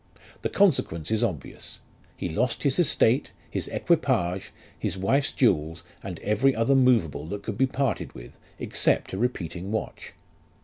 The consequence is obvious : he lost his estate, his equipage, his wife's jewels, and every other moveable that could be parted with, except a repeating watch.